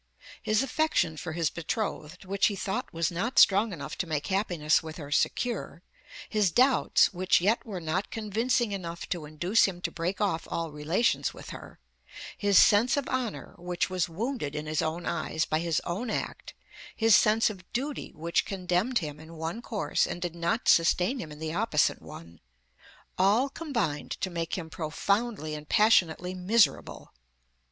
His affection for his betrothed, which he thought was not strong enough to make happiness with her secure; his doubts, which yet were not convincing enough to induce him to break off all relations with her; his sense of honor, which was wounded in his own eyes by his own act; his sense of duty, which condemned him in one course and did not sustain him in the opposite one all combined to make him profoundly and passionately miserable.